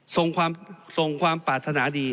ส่งความส่งความปรารถนาดี